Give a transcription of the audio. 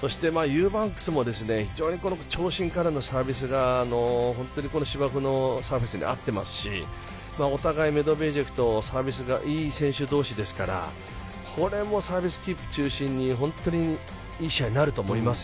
そしてユーバンクスも非常に長身からのサービスが、芝生のサーフェスに合っていますしお互い、メドベージェフとサービスがいい選手同士ですからこれもサービスキープ中心に本当にいい試合になると思います。